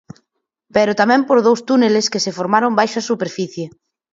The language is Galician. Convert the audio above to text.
Pero tamén por dous túneles que se formaron baixo a superficie.